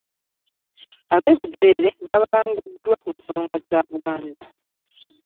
Ab'e Bugerere babanguddwa ku nsonga za Buganda